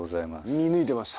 見抜いてました？